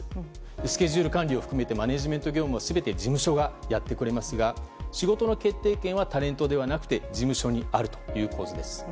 スケジュール管理を含めてマネジメント業務を全て事務所がやってくれますが仕事の決定権はタレントではなく事務所にあるという構図です。